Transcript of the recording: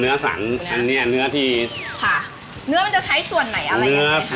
เนื้อสันอันนี้เนื้อที่ค่ะเนื้อมันจะใช้ส่วนไหนอะไรอย่างนี้